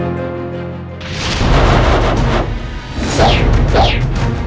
aku tak akan membiarkan jurus kita empat pasar musnah dari muka bumi